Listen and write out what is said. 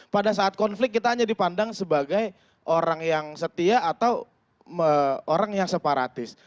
pada saat konflik kita hanya dipandang sebagai orang yang setia atau orang yang separatis